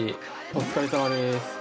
お疲れさまです。